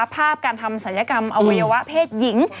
ภาพการทำศัลยกรรมอวัยวะเพศหญิง